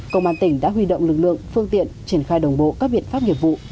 công an tỉnh đã huy động lực lượng phương tiện triển khai đồng bộ các biện pháp nghiệp vụ